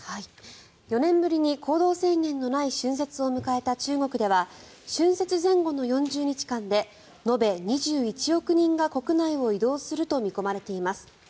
４年ぶりに行動制限のない春節を迎えた中国では春節前後の４０日間で延べ２１億人が国内を移動すると見込まれています。